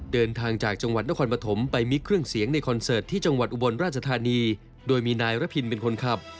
เดินทางจากจังหวัดนครปฐมไปมิกเครื่องเสียงในคอนเสิร์ตที่จังหวัดอุบลราชธานีโดยมีนายระพินเป็นคนขับ